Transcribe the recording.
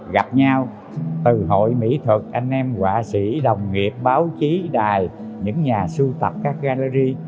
gặp nhau từ hội mỹ thuật anh em họa sĩ đồng nghiệp báo chí đài những nhà sưu tập các gallery